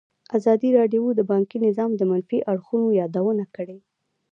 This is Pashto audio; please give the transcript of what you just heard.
ازادي راډیو د بانکي نظام د منفي اړخونو یادونه کړې.